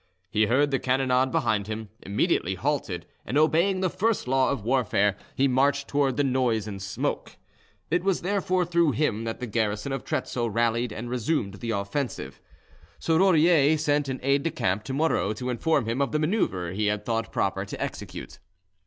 He heard the cannonade behind him, immediately halted, and, obeying the first law of warfare, he marched towards the noise and smoke. It was therefore through him that the garrison of Trezzo rallied and resumed the offensive. Serrurier sent an aide de Camp to Moreau to inform him of the manoeuvre he had thought proper to execute.